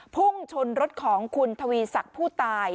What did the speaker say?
พุ่งชนรถของคุณทวีศักดิ์ผู้ตาย